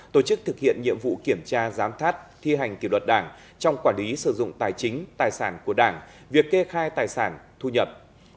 tổ chức thực hiện nhiệm vụ kiểm tra giám sát thi hành kỷ luật đảng trong quản lý sử dụng tài chính tài sản của đảng việc kê khai tài sản thu nhập